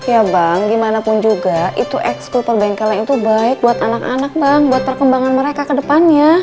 ya bang gimana pun juga itu ekskultur bengkelnya itu baik buat anak anak bang buat perkembangan mereka kedepannya